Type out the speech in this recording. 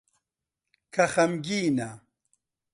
کە خەمگینە